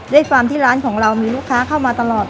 ด้วยความที่ร้านของเรามีลูกค้าเข้ามาตลอด